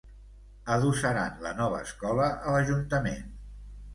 Adossaran la nova escola a l'ajuntament.